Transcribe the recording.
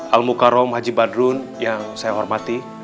al mukarram haji badrun yang saya hormati